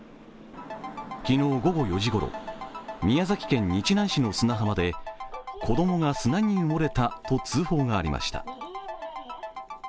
昨日午後４時頃、宮崎県日南市の砂浜で子供が砂に埋もれたと通報がありました。